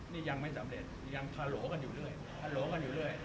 นี่ยังไม่สำเร็จยังฮาโหลกันอยู่เรื่อยฮัลโหลกันอยู่เรื่อย